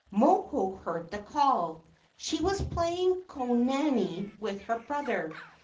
Moho heard the call. She was playing konane with her brother.